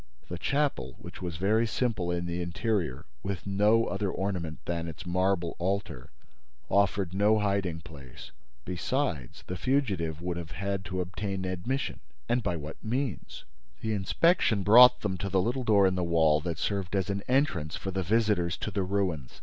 The chapel, which was very simple in the interior, with no other ornament than its marble altar, offered no hiding place. Besides, the fugitive would have had to obtain admission. And by what means? The inspection brought them to the little door in the wall that served as an entrance for the visitors to the ruins.